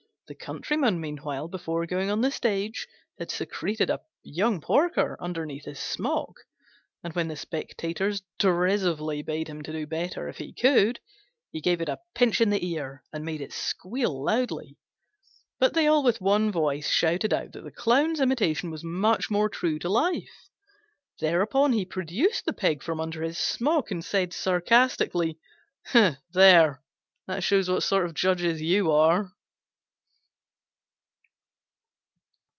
The Countryman, meanwhile, before going on the stage, had secreted a young porker under his smock; and when the spectators derisively bade him do better if he could, he gave it a pinch in the ear and made it squeal loudly. But they all with one voice shouted out that the Clown's imitation was much more true to life. Thereupon he produced the pig from under his smock and said sarcastically, "There, that shows what sort of judges you are!"